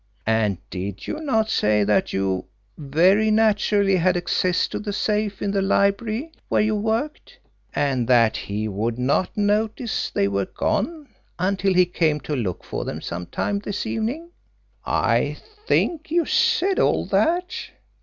And did you not say that you very naturally had access to the safe in the library where you worked, and that he would not notice they were gone until he came to look for them some time this evening? I think you said all that.